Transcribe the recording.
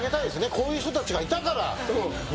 こういう人たちがいたから。